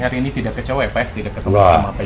hari ini tidak kecewa ya pak ya